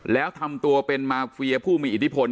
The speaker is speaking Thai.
แล้วทำตัวเป็นมาเฟียผู้มีอิทธิพล